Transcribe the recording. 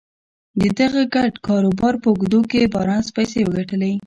د دغه ګډ کاروبار په اوږدو کې بارنس پيسې وګټلې.